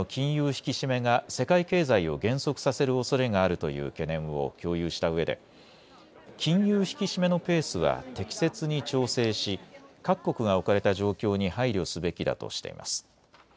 引き締めが世界経済を減速させるおそれがあるという懸念を共有したうえで金融引き締めのペースは適切に調整し、各国が置かれた状況に配慮すべきだとしています。